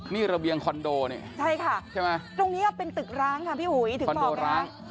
นี่ระเบียงคอนโดใช่ค่ะที่นี่เป็นตึกร้างค่ะพี่อุ๋ยถึงบอกครับ